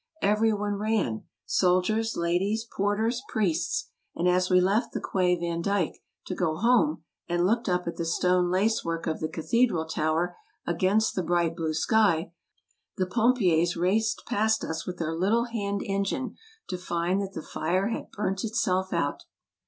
Every one ran — soldiers, ladies, porters, priests ; and as we left the Quai Vandyck to go home, and looked up at the stone lace work of the cathedral tower against the bright blue sky, the pompiers raced past us with their little hand engine, to find that the fire had burnt itself out.